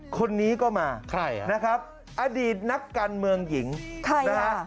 คนนี้ก็มาใครอ่ะนะครับอดีตนักการเมืองหญิงนะฮะ